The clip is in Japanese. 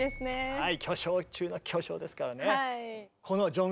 はい。